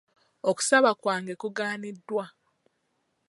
Okusaba kwange kugaaniddwa.